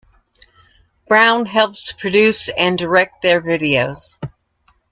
Brown helps produce and direct their videos.